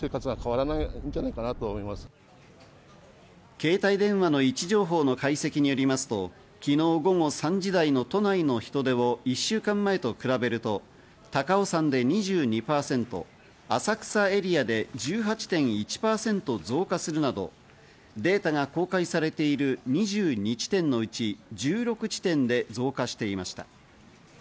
携帯電話の位置情報の解析によりますと、昨日午後３時台の都内の人出を１週間前と比べると高尾山で２２％、浅草エリアで１８．１％増加するなどデータが公開されている２２地点のうち１６地点で増加していました。